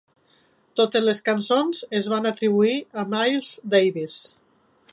Totes les cançons es van atribuir a Miles Davis.